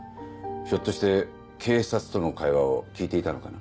ひょっとして警察との会話を聞いていたのかな？